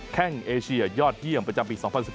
แค่งเอเชียยอดเยี่ยมประจำปี๒๐๑๙